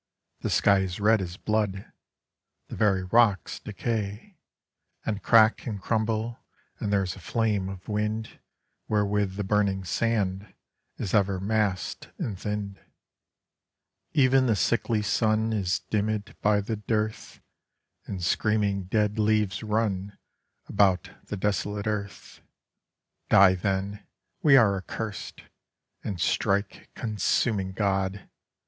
The sky is red as blood; The very rocks decay And crack and crumble, and There is a flame of wind Wherewith the burning sand Is ever mass'd and thin'd. Even the sickly Sun Is dimmèd by the dearth, And screaming dead leaves run About the desolate earth. Die then; we are accurst! And strike, consuming God!